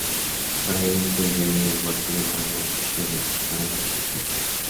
Para ello incluye un lenguaje llamado Scheme para este propósito.